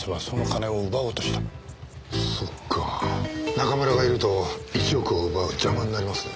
中村がいると１億を奪う邪魔になりますね。